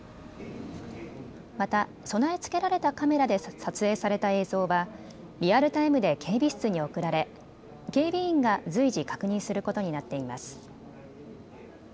また、備え付けられたカメラで撮影された映像はリアルタイムで警備室に送られ警備員が随時確認することになっています。